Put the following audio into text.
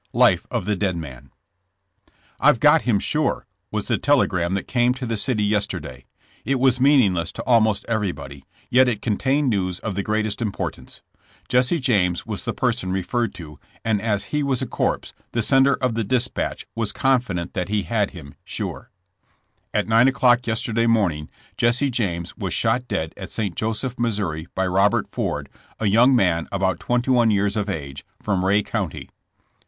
— Life^ of the Dead Man. *^ I 've got him, sure, '' was the telegram that came to the city yesterday. It was meaningless to almost everybody, yet it contained news of the greatest im portance. Jesse James w^as the person referred to, and as he was a corpse, the sender of the dispatch was confident that he had him, sure. At 9 o'clock yesterday morning Jesse James was shot dead at St. Joseph, Mo., by Robert Ford, a young man about twenty one years of age, from Ray County.